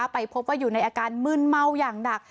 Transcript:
ไปพบว่าอยู่ในอาการมืนเมาอย่างหนัก